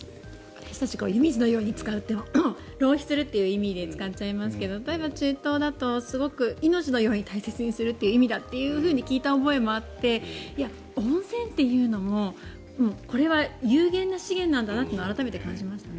私たち湯水のように使うって浪費するという意味で使っちゃいますけど例えば、中東だとすごく命のように大切にするという意味だと聞いた覚えもあって温泉っていうのも、これは有限な資源なんだなっていうのを改めて感じましたね。